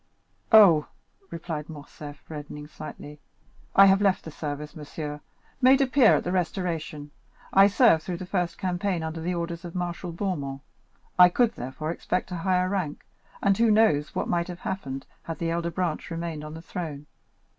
"Oh," replied Morcerf, reddening slightly, "I have left the service, monsieur. Made a peer at the Restoration, I served through the first campaign under the orders of Marshal Bourmont. I could, therefore, expect a higher rank, and who knows what might have happened had the elder branch remained on the throne?